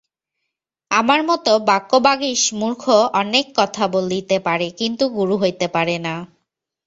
আমার মত বাক্যবাগীশ মূর্খ অনেক কথা বলিতে পারে, কিন্তু গুরু হইতে পারে না।